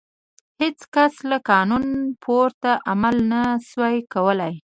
هېڅ کس له قانون پورته عمل نه شوای کولای.